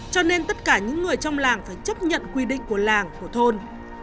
cho nên tất cả những người trong làng phải chấp nhận quy định của làng của thôn